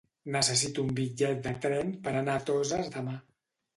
Necessito un bitllet de tren per anar a Toses demà.